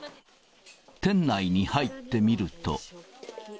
店内に入ってみると。